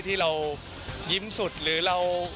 ที่เรายิ้มสุดหรือเรา